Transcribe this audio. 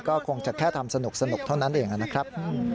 ก็คงจะแค่ทำสนุกเท่านั้นเองนะครับ